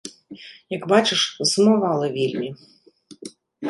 Як бачыш, засумавала вельмі.